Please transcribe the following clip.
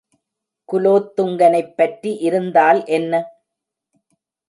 குலோத்துங்கனைப் பற்றி இருந்தால் என்ன?